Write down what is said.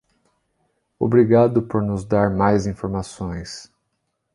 Obrigado por nos dar mais informações.